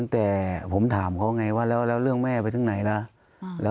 แต่ผมถามเขาไงว่าแล้วเรื่องแม่ไปถึงไหนล่ะ